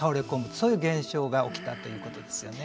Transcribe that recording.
そういう現象が起きたということですよね。